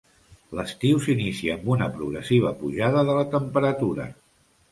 L'estiu s'inicia amb una progressiva pujada de la temperatura.